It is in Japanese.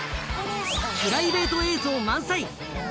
プライベート映像満載！